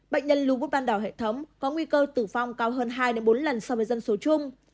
bệnh nhân lưu bút ban đầu hệ thống có nguy cơ tử vong cao hơn hai bốn lần so với dân số chung